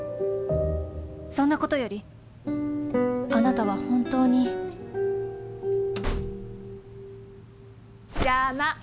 そんなことよりあなたは本当に・邪魔。